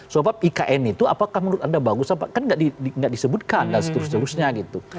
sebab ikn itu apakah menurut anda bagus apa kan nggak disebutkan dan seterusnya gitu